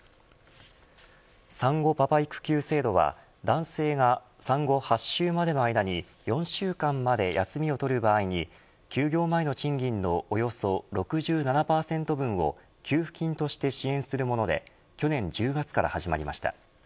産後パパ育休制度は男性が産後８週までの間に４週間まで休みを取る場合に休業前の賃金のおよそ６７％分を給付金として支援するもので去年１０月から始まりました。